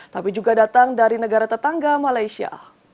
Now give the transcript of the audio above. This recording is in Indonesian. tapi juga datang dari negara tetangga malaysia